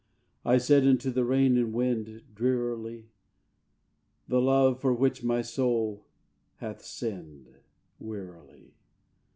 I said unto the rain and wind, Drearily: "The love, for which my soul hath sinned." (Wearily.)